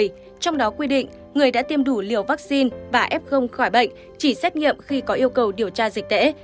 trong đó quy định người đã tiêm đủ liều vaccine và f khỏi bệnh chỉ xét nghiệm khi có yêu cầu điều tra dịch tễ